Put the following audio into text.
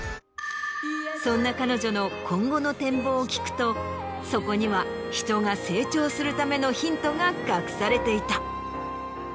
そんな彼女の今後の展望を聞くとそこには人が成長するためのヒントが隠されていた。